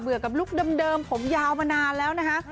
กับลุคเดิมผมยาวมานานแล้วนะคะ